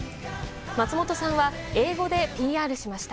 松本さんは、英語でＰＲしました。